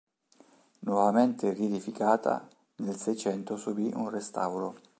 Nuovamente riedificata, nel Seicento subì un restauro.